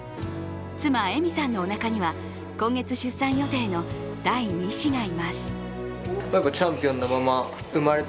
妻・恵美さんのおなかには、今月出産予定の第２子がいます。